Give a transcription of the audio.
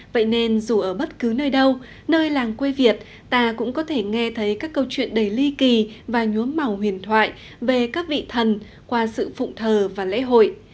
vậy nên dù ở bất cứ nơi đâu nơi làng quê việt ta cũng có thể nghe thấy các câu chuyện đầy ly kỳ và nhuốm màu huyền thoại về các vị thần qua sự phụng thờ và lễ hội